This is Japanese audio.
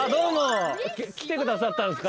「来てくださったんですか？」